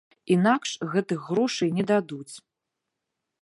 Інакш гэтых грошай не дадуць.